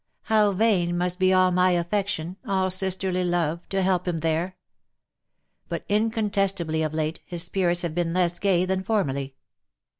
how vain must be all my affection, all sisterly love, to help him there ! But, inco'ntes tably of late, his spirits have been less gay than formerly.